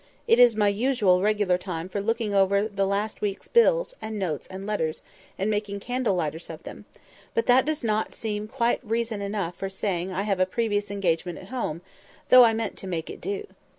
It is my usual regular time for looking over the last week's bills, and notes, and letters, and making candle lighters of them; but that does not seem quite reason enough for saying I have a previous engagement at home, though I meant to make it do.